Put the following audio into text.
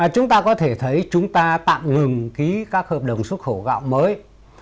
chúng ta có thể thấy chúng ta tạm ngừng ký các hợp đồng xuất khẩu gạo mới